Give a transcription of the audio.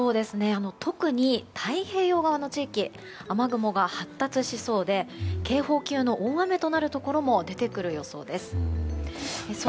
特に、太平洋側の地域雨雲が発達しそうで警報級の大雨となるところも出てくる予想です。